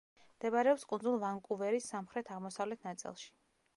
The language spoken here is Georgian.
მდებარეობს კუნძულ ვანკუვერის სამხრეთ-აღმოსავლეთ ნაწილში.